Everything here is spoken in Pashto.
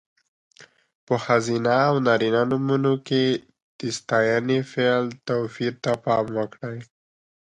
په ښځینه او نارینه نومونو کې د ستاینوم، فعل... توپیر ته پام وکړئ.